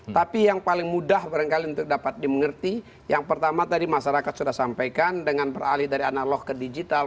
tapi yang paling mudah barangkali untuk dapat dimengerti yang pertama tadi masyarakat sudah sampaikan dengan beralih dari analog ke digital